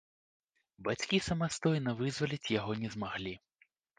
Бацькі самастойна вызваліць яго не змаглі.